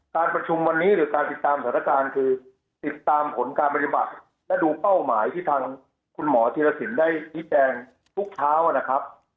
การประชุมวันนี้หรือการติดตามสถานการณ์คือติดตามผลการปฏิบัติและดูเป้าหมายที่ทางคุณหมอธีรสินได้ชี้แจงทุกเช้านะครับ